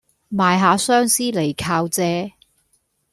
賣吓相思嚟靠借